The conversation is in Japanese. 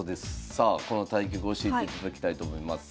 さあこの対局教えていただきたいと思います。